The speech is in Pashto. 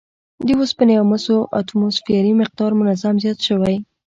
د اوسپنې او مسو اتوموسفیري مقدار منظم زیات شوی